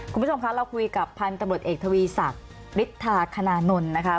คุณผู้ชมคะเราคุยกับพันธุ์ตำรวจเอกทวีศักดิ์ฤทธาคณานนท์นะคะ